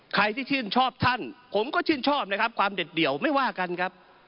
ใครที่ชื่นชอบท่านผมก็ชื่นชอบนะครับความเด็ดเดี่ยวไม่ว่ากันครับ